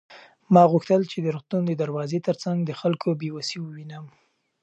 ما غوښتل چې د روغتون د دروازې تر څنګ د خلکو بې وسي ووینم.